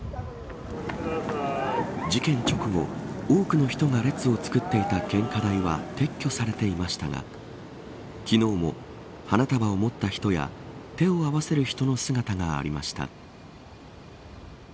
事件直後、多くの人が列を作っていた献花台は撤去されていましたが昨日、花束を持った人や手を合わせる人の姿がありました。